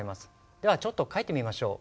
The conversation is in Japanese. ではちょっと書いてみましょう。